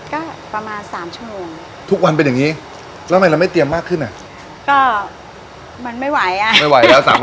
ก็ประมาณสามชั่วโมงทุกวันเป็นอย่างนี้แล้วทำไมเราไม่เตรียมมากขึ้นอ่ะก็มันไม่ไหวอ่ะไม่ไหวแล้ว